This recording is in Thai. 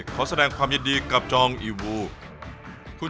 ขอแสดงความยดดีกับจองอินวุ่ง